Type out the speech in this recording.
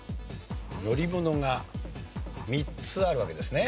乗り物が３つあるわけですね。